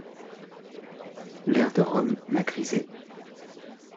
L'air de Rome m'a grisé.